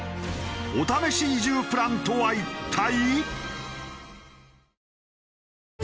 お試し移住プランとは一体？